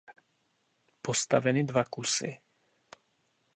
Postaveny dva kusy.